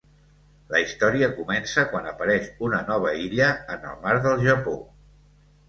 La història comença quan apareix una nova illa en el mar del Japó.